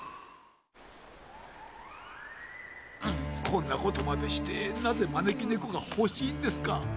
こんなことまでしてなぜまねきねこがほしいんですか？